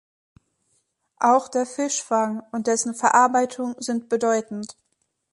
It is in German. Auch der Fischfang und dessen Verarbeitung sind bedeutend.